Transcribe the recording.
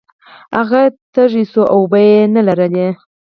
هغه تږی شو او اوبه یې نلرلې.